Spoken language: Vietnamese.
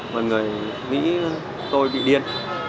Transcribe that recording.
mọi người nghĩ tôi bị điên